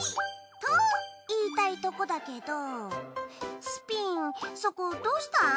と言いたいとこだけどスピンそこどうした？